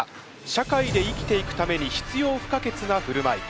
社会で生きていくために必要不可欠なふるまい。